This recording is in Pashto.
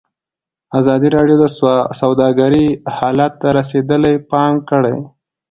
ازادي راډیو د سوداګري حالت ته رسېدلي پام کړی.